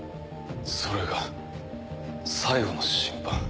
それが最後の審判。